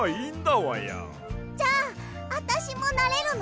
じゃああたしもなれるの？